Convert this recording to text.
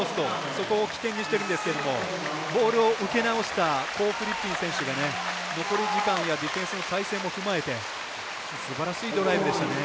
そこを起点にしてるんですけどボールを受けなおしたフリッピン選手が残り時間やディフェンスの体制も踏まえてすばらしいドライブでしたね。